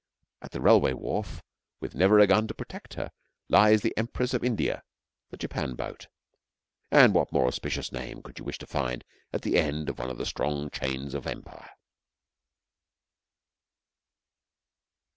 At the railway wharf, with never a gun to protect her, lies the Empress of India the Japan boat and what more auspicious name could you wish to find at the end of one of the strong chains of empire?